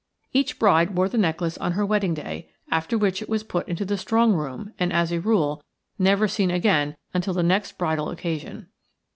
Each bride wore the necklace on her wedding day, after which it was put into the strong room and, as a rule, never seen again until the next bridal occasion.